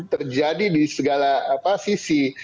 terjadi di segala sisi